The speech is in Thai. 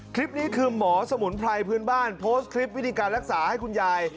คลิปนี้คือหมอสมุนไพรพื้นบ้านโพสต์คลิปวิธีการรักษาให้คุณยาย